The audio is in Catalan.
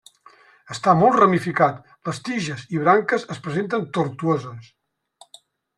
Està molt ramificat, les tiges i branques es presenten tortuoses.